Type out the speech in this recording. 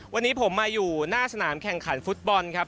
วันนี้ผมมาอยู่หน้าสนามแข่งขันฟุตบอลครับ